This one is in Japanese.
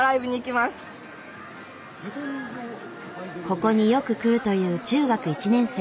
ここによく来るという中学１年生。